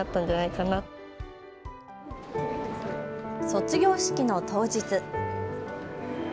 卒業式の当日。